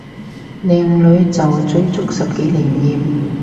靚女就追足十幾年唔厭